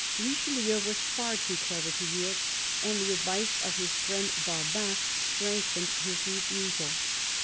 Richelieu was far too clever to yield, and the advice of his friend Barbin strengthened his refusal.